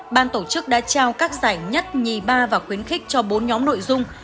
ban tổ chức đã trao các giải nhất nhì ba và khuyến khích cho bốn nhóm nội dung